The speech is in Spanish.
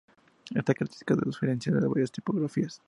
Esta característica los diferencia en varias tipografías.